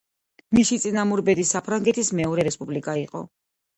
მისი წინამორბედი საფრანგეთის მეორე რესპუბლიკა იყო.